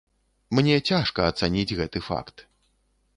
Мне цяжка ацаніць гэты факт.